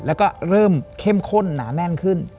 แล้วก็เริ่มเข้มข้นหนาแน่นขึ้น